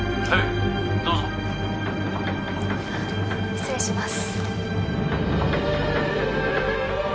「失礼します」